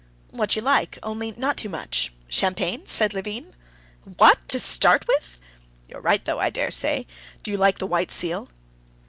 "What you like, only not too much. Champagne," said Levin. "What! to start with? You're right though, I dare say. Do you like the white seal?"